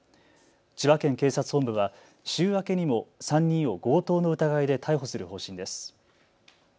千葉県警察本部は週明けにも３人を強盗の疑いで逮捕する方針です。